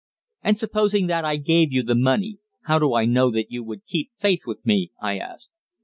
"And supposing that I gave you the money, how do I know that you would keep faith with me?" I asked.